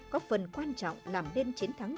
có phần quan trọng làm nên chiến thắng